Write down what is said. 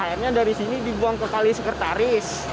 akhirnya dari sini dibuang ke kali sekretaris